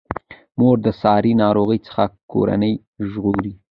مور د ساري ناروغیو څخه کورنۍ ژغوري.